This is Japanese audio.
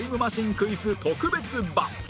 クイズ特別版